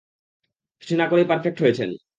কিছু না করেই পার্ফেক্ট হয়েছেন।